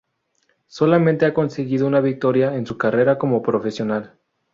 Solamente ha conseguido una victoria en su carrera como profesional.